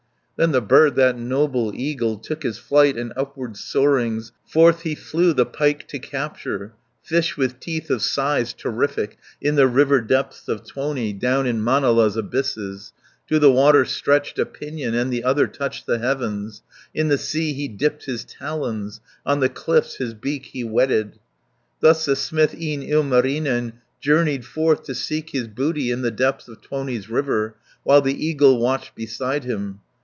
Then the bird, that noble eagle, Took his flight, and upward soarings, Forth he flew the pike to capture, Fish with teeth of size terrific, In the river depths of Tuoni, Down in Manala's abysses: To the water stretched a pinion, And the other touched the heavens; 210 In the sea he dipped his talons, On the cliffs his beak he whetted. Thus the smith, e'en Ilmarinen, Journeyed forth to seek his booty In the depths of Tuoni's river, While the eagle watched beside him.